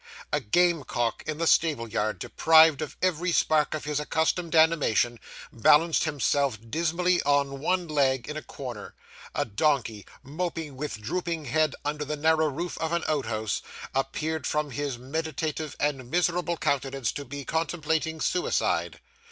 A game cock in the stableyard, deprived of every spark of his accustomed animation, balanced himself dismally on one leg in a corner; a donkey, moping with drooping head under the narrow roof of an outhouse, appeared from his meditative and miserable countenance to be contemplating suicide.